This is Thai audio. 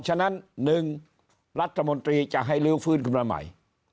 ฉะนั้นหนึ่งรัฐมนตรีจะให้ลืมฟื้นมาใหม่